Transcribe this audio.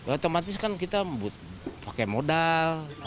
otomatis kan kita pakai modal